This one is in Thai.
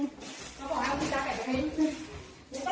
เขาบอกเอาจริงจักรแบบนี้